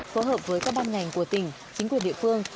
phối hợp với các ban ngành của tỉnh chính quyền địa phương